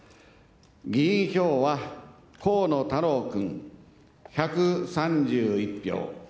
議員票は、河野太郎君、１３１票。